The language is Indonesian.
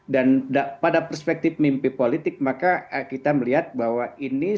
dan pada perspektif mimpi politik maka kita melihat bahwa ini